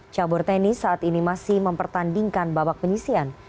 cabur tenis saat ini masih mempertandingkan babak penyisian